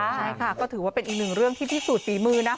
ใช่ค่ะก็ถือว่าเป็นอีกหนึ่งเรื่องที่พิสูจนฝีมือนะ